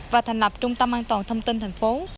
và thành lập trung tâm an toàn thông tin thành phố